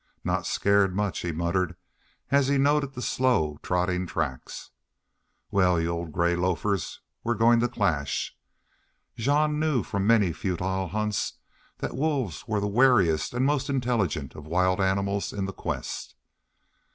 "Not scared much," he muttered, as he noted the slow trotting tracks. "Well, you old gray lofers, we're goin' to clash." Jean knew from many a futile hunt that wolves were the wariest and most intelligent of wild animals in the quest.